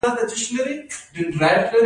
ایا زه باید جوار وخورم؟